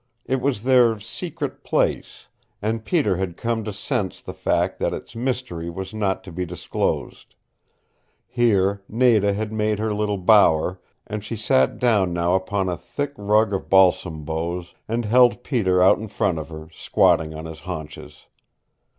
It was their "secret place," and Peter had come to sense the fact that its mystery was not to be disclosed. Here Nada had made her little bower, and she sat down now upon a thick rug of balsam boughs, and held Peter out in front of her, squatted on his haunches.